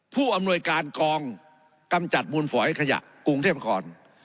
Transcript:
ผู้อำนวยการกองกำจัดมูลฝอยขยะกรุงเทพนคร